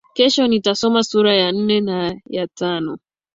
Kesho nitasoma sura ya nne na ya tano.